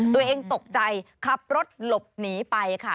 ตัวเองตกใจขับรถหลบหนีไปค่ะ